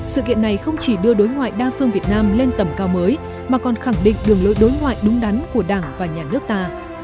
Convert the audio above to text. sự kiện này không chỉ đưa đối ngoại đa phương việt nam lên tầm cao mới mà còn khẳng định đường lối đối ngoại đúng đắn của đảng và nhà nước ta